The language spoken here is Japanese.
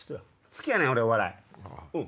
好きやねん俺お笑い。